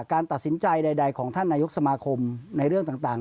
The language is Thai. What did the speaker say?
การตัดสินใจใดของท่านนายกสมาคมในเรื่องต่าง